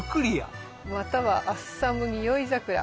またはアッサムニオイザクラ。